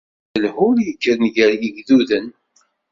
Akked lhul yekkren gar yigduden.